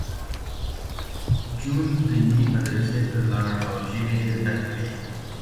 جون دیني مدرسې ته لاړ او ژبې یې زده کړې